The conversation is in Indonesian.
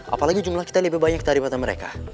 apalagi jumlah kita lebih banyak daripada mereka